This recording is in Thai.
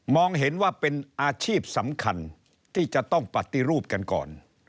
เห็นว่าเป็นอาชีพสำคัญที่จะต้องปฏิรูปกันก่อน